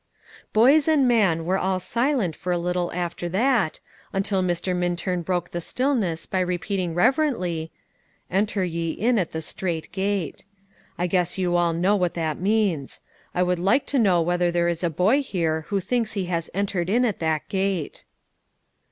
Boys and man were all silent for a little after that, until Mr. Minturn broke the stillness by repeating reverently, "'Enter ye in at the strait gate.' I guess you all know what that means. I would like to know whether there is a boy here who thinks he has entered in at that gate."